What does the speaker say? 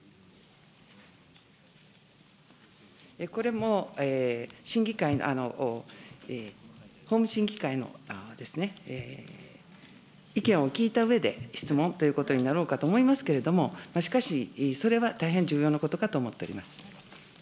これも審議会の、法務審議会の意見を聞いたうえで質問ということになろうかと思いますけれども、しかし、それは大変重要なことかと思っております。